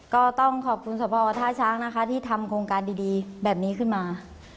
ก็ต้องขอบคุณสภท่าช้างนะคะที่ทำโครงการดีแบบนี้ขึ้นมา